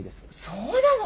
そうなの？